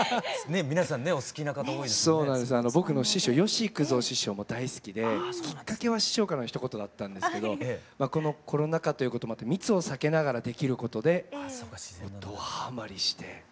僕の師匠吉幾三師匠も大好きできっかけは師匠からのひと言だったんですけどこのコロナ禍ということもあって密を避けながらできることでどハマりして。